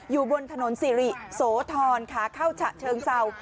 อยู่บนถนนสิริโสธรขาเข้าฉะเชิงเศร้า